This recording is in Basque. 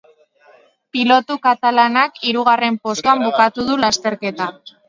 Pilotu katalanak hirugarren postuan bukatu du lasterketa.